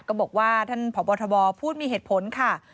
ของบอร์ทบอร์พูดมีเหตุผลค่ะ